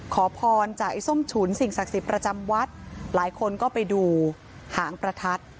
ขอพรจากไอ้ส้มฉุนสิ่งศักดิ์สิทธิ์ประจำวัดหลายคนก็ไปดูหางประทัด